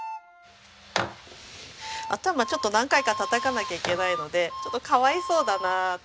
頭ちょっと何回かたたかなきゃいけないのでちょっとかわいそうだなって。